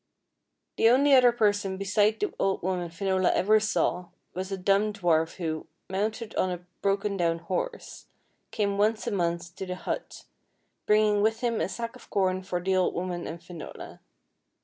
The only other person beside the old woman Finola ever saw was a dumb dwarf who, mounted on a broken down horse, came once a month to PRINCESS AND DWARF 151 the hut, bringing with him a sack of corn for the old woman and Finola.